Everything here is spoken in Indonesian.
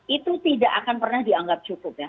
itu tidak akan pernah dianggap cukup ya